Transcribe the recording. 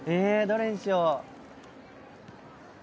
どれにしよう？